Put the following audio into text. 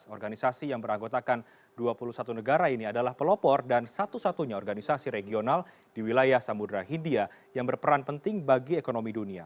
organisasi yang beranggotakan dua puluh satu negara ini adalah pelopor dan satu satunya organisasi regional di wilayah samudera hindia yang berperan penting bagi ekonomi dunia